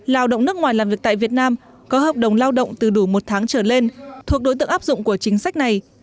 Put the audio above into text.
lao động nước ngoài làm việc tại việt nam có hợp đồng lao động từ đủ một tháng trở lên thuộc đối tượng áp dụng của chính sách này